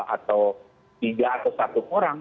atau tiga atau satu orang